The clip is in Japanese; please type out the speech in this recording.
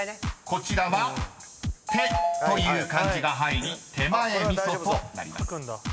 ［こちらは手という漢字が入り「手前味噌」となります］